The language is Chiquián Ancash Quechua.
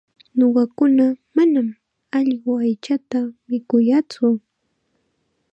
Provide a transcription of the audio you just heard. Ñuqakunaqa manam allqu aychata mikuyaatsu.